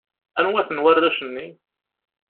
Anwa-ten warrac-nni?